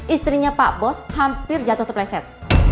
istrinya pak bos hampir jatuh terpleset